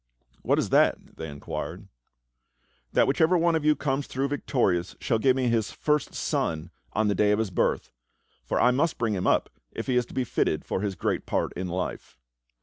"What is that.?" they inquired. "That whichever one of you comes through victorious shall give me his first son on the day of his birth; for I must bring him up if he is to be fitted for his great part in life."